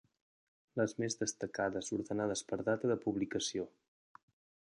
Les més destacades ordenades per data de publicació.